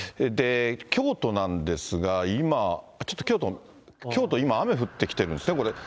京都なんですが、今、ちょっと京都、今、雨降ってきてるんですね、これ。